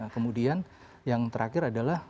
kemudian yang terakhir adalah